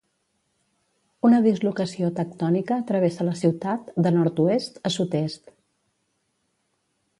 Una dislocació tectònica travessa la ciutat de nord-oest a sud-est.